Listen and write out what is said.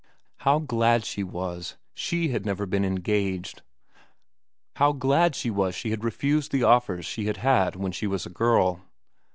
How glad she was she had never been engaged ; how glad she was she had refused the offers she had had when she was a girl.